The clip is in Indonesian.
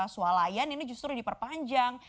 sualayan ini justru diperpanjang